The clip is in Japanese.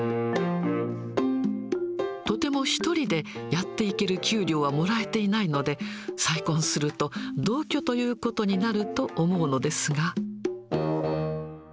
とても一人でやっていける給料はもらえていないので、再婚すると同居ということになると思うのですが。